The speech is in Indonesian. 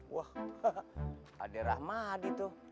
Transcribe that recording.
wah ada rahmadi tuh